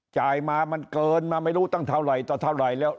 จ่ายมามันเกินมาไม่รู้ตั้งเท่าไหร่ต่อเท่าไหร่แล้ว